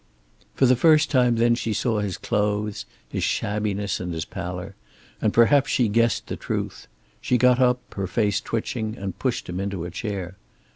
For the first time then she saw his clothes, his shabbiness and his pallor, and perhaps she guessed the truth. She got up, her face twitching, and pushed him into a chair.